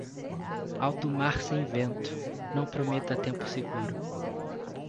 Alto mar sem vento, não prometa tempo seguro.